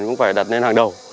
cũng phải đặt lên hàng đầu